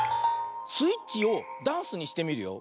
スイッチをダンスにしてみるよ。